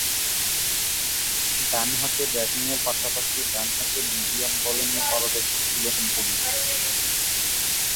ডানহাতে ব্যাটিংয়ের পাশাপাশি ডানহাতে মিডিয়াম বোলিংয়ে পারদর্শী ছিলেন তিনি।